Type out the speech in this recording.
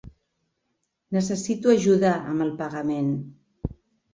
Necessito ajudar amb el pagament.